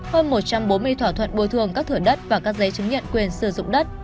hơn một trăm bốn mươi thỏa thuận bồi thường các thửa đất và các giấy chứng nhận quyền sử dụng đất